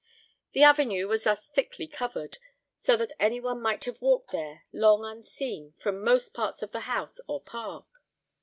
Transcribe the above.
The avenue was thus thickly covered, so that any one might have walked there long unseen from most parts of the house or park.